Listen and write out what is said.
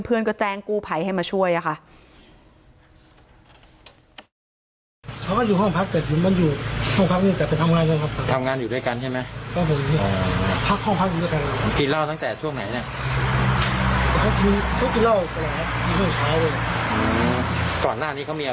เพื่อนก็แจ้งกู้ภัยให้มาช่วยค่ะ